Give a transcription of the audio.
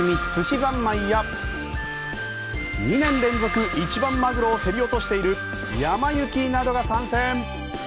ざんまいや２年連続一番マグロを競り落としているやま幸などが参戦。